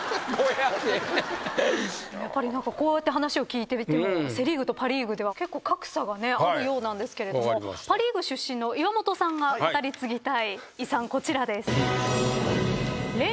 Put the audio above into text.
やっぱりこうやって話を聞いてみてもセ・リーグとパ・リーグでは結構格差がねあるようなんですけれどもパ・リーグ出身の岩本さんが語り継ぎたい遺産こちらです。